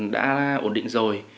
đã ổn định rồi